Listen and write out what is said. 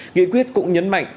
nghị quyết cũng nhấn mạnh